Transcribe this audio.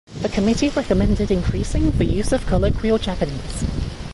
The committee recommended increasing the use of colloquial Japanese.